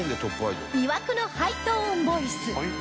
魅惑のハイトーンボイス